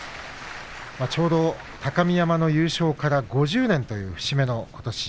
ちょうど高見山の優勝から５０年という節目のことし。